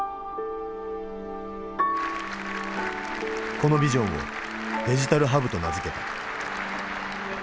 このビジョンをデジタルハブと名付けた。